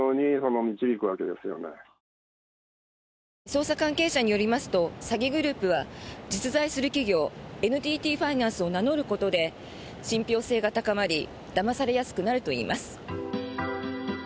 捜査関係者によりますと詐欺グループは実在する企業ＮＴＴファイナンスを名乗ることで信ぴょう性が高まりだまされやすくなるといいます。